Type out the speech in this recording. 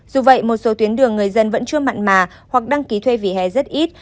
dù vậy một số tuyến đường người dân vẫn chưa mặn mà hoặc đăng ký thuê vỉa hè rất ít